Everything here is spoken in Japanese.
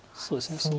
そうですね